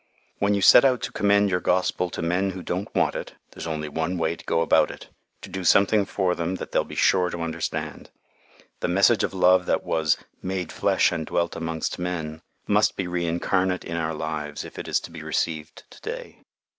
"When you set out to commend your gospel to men who don't want it, there's only one way to go about it, to do something for them that they'll be sure to understand. The message of love that was 'made flesh and dwelt amongst men' must be reincarnate in our lives if it is to be received to day."